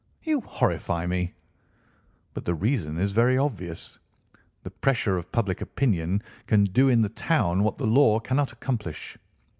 "You horrify me!" "But the reason is very obvious. The pressure of public opinion can do in the town what the law cannot accomplish.